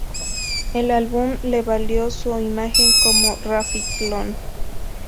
El álbum le valió su imagen como "Rafi Clon".